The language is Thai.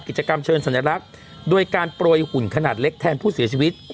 กิจกรรมเชิญสัญลักษณ์โดยการโปรยหุ่นขนาดเล็กแทนผู้เสียชีวิต